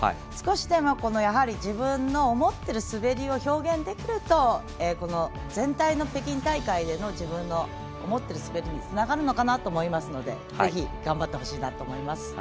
少しでも自分の思っている滑りを表現できると全体の北京大会での自分の思っている滑りにつながるのかなと思いますのでぜひ、頑張ってほしいと思います。